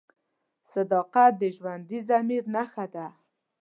صداقت د ژوندي ضمیر نښه ده.